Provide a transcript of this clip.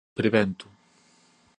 prevento